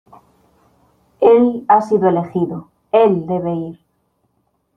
Él ha sido elegido. Él debe ir .